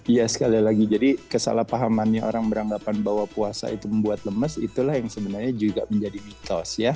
ya sekali lagi jadi kesalahpahamannya orang beranggapan bahwa puasa itu membuat lemes itulah yang sebenarnya juga menjadi mitos ya